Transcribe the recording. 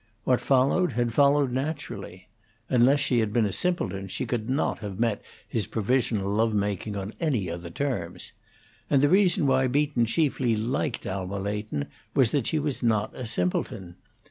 What followed, had followed naturally. Unless she had been quite a simpleton she could not have met his provisional love making on any other terms; and the reason why Beaton chiefly liked Alma Leighton was that she was not a simpleton.